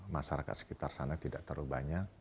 masyarakat sekitar sana tidak terlalu banyak